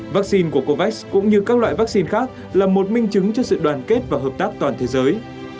vaccine của covid cũng như các loại vaccine khác là một minh chứng cho sự đoàn kết và hợp tác toàn thế giới